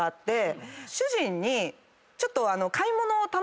主人にちょっと。